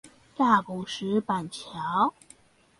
大埔石板橋